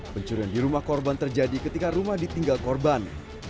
pencurian di rumah korban terjadi ketika rumah ditinggal korban